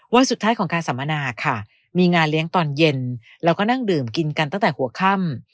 วันสุดท้ายของการสัมมนาค่ะมีงานเลี้ยงตอนเย็นแล้วก็นั่งดื่มกินกันตั้งแต่หัวค่ำ